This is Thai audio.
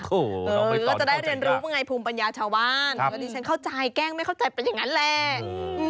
หรือจะได้เรียนรู้ไงภูมิปัญญาชาวบ้านก็ดิฉันเข้าใจแกล้งไม่เข้าใจเป็นอย่างนั้นแหละ